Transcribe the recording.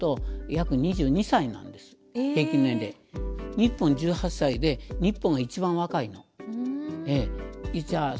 日本１８歳で日本が一番若いの。